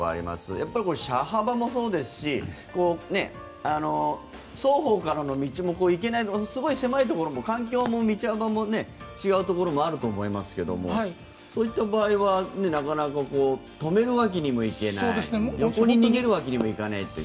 やっぱり車幅もそうですし双方からの道も行けないすごい環境も道幅も違うところもありますけどもそういった場合はなかなか止めるわけにもいかない横に逃げるわけにもいかないっていう。